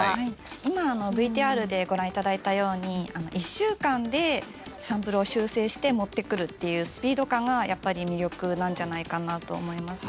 今、ＶＴＲでご覧いただいたように１週間でサンプルを修正して持ってくるというスピード感が魅力なんじゃないかなと思います。